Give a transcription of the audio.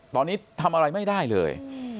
ตอนนี้ทำอะไรไม่ได้เลย